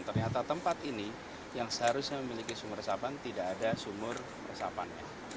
ternyata tempat ini yang seharusnya memiliki sumur resapan tidak ada sumur resapannya